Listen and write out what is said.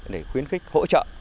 để khuyến khích hỗ trợ